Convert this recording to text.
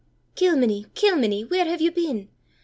'Kilmeny, Kilmeny, where have you been?